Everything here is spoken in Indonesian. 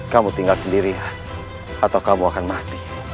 kamu tinggal sendirian atau kamu akan mati